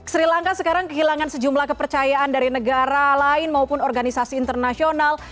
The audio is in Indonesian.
sri lanka sekarang kehilangan sejumlah kepercayaan dari negara lain maupun organisasi internasional